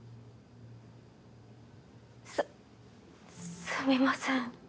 すすみません